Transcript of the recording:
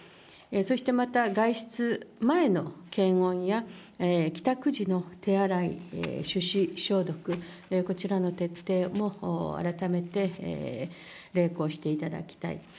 そしてまた、外出前の検温や帰宅時の手洗い、手指消毒、こちらの徹底も改めて励行していただきたい。